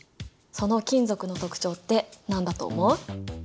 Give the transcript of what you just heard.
その金属の特徴って何だと思う？